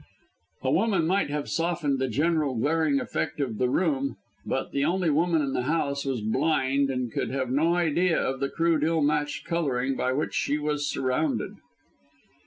A woman might have softened the general glaring effect of the room; but the only woman in the house was blind, and could have no idea of the crude, ill matched colouring by which she was surrounded.